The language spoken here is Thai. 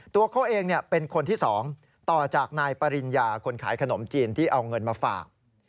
ตัวเขาเองเป็นคนที่๒ต่อจากนายปริญญาคนขายขนมจีนที่เอาเงินมาฝาก